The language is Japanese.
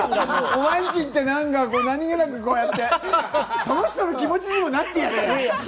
お前ん家行って、何気なくやって、その人の気持ちにもなってやれよ。